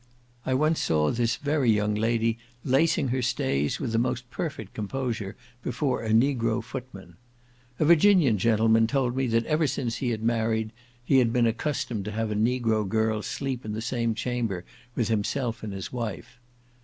I once saw this very young lady lacing her stays with the most perfect composure before a negro footman. A Virginian gentleman told me that ever since he had married, he had been accustomed to have a negro girl sleep in the same chamber with himself and his wife.